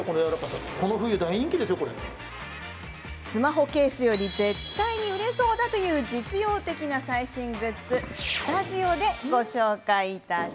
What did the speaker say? スマホケースより絶対に売れそうだという実用的な最新グッズはスタジオで。